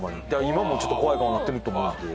今もちょっと怖い顔なってると思うんで。